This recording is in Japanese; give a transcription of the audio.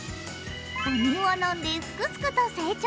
母乳を飲んですくすくと成長。